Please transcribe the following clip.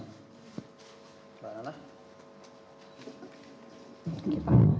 terima kasih pak